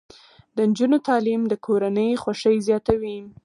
د نجونو تعلیم د کورنۍ خوښۍ زیاتوي.